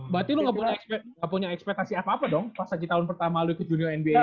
berarti lu gak punya ekspektasi apa apa dong pas lagi tahun pertama lo ikut junior nba